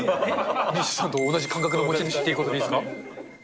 ＭＩＳＩＡさんと同じ感覚の持ち主ということでいいですか。